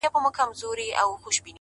• اوس خورا په خړپ رپيږي ورځ تېرېږي ـ